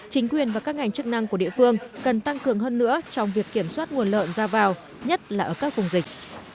chính quyền và các ngành chức năng của địa phương cần tăng cường hơn nữa trong việc kiểm soát nguồn lợn ra vào nhất là ở các vùng dịch